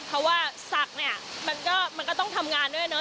เพราะว่าศักดิ์เนี่ยมันก็ต้องทำงานด้วยเนอ